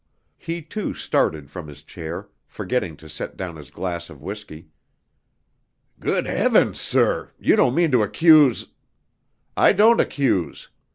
He too started from his chair, forgetting to set down his glass of whisky. "Good heavens, sir, you don't mean to accuse " "I don't accuse.